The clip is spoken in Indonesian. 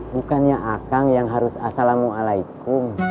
bukannya akang yang harus assalamualaikum